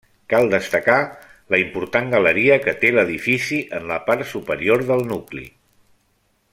Cal destacar la important galeria que té l'edifici en la part superior del nucli.